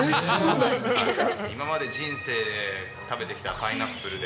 今まで人生で食べてきたパイナップルで、